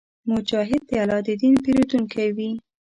مجاهد د الله د دین پېرودونکی وي.